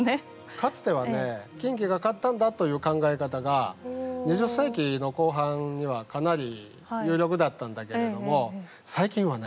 かつてはね近畿が勝ったんだという考え方が２０世紀の後半にはかなり有力だったんだけれども最近はね